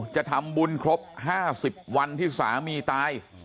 จะทำบุญครบ๕๐วันที่สามีตาย